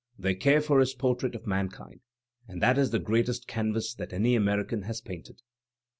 They care for his portrait of Mankind. And that is the greatest canvas that any American has painted.